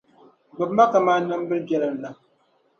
Gbibi ma kaman nimbili biɛlim la.